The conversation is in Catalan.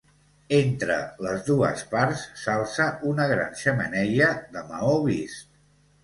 Entre les dues parts s'alça una gran xemeneia de maó vist.